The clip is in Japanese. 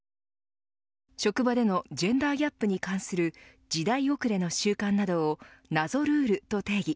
職場でのジェンダーギャップに関する時代遅れの習慣などを謎ルールと定義。